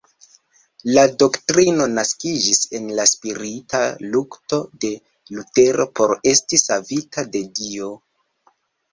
La doktrino naskiĝis en la spirita lukto de Lutero por esti savita de Dio.